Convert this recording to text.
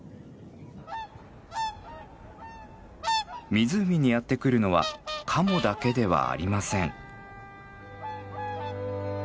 湖にやって来るのはカモだけではありません。